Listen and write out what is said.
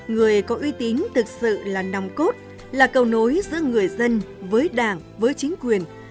người có uy tín thực sự là nòng cốt là cầu nối giữa người dân với đảng với chính quyền